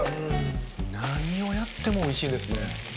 何をやってもおいしいですね。